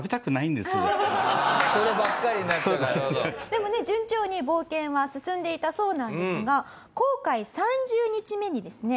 でもね順調に冒険は進んでいたそうなんですが航海３０日目にですね